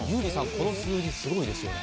この数、すごいですよね。